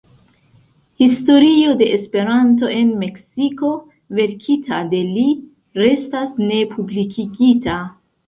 Historio de Esperanto en Meksiko, verkita de li, restas ne publikigita.